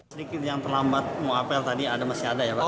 sedikit yang terlambat mau apel tadi masih ada ya pak